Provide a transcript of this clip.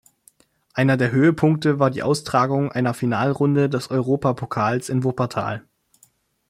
Einer der Höhepunkte war die Austragung einer Finalrunde des Europapokals in Wuppertal.